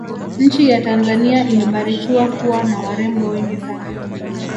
nchi ya tanzania imebarikiwa kuwa na warembo wengi sana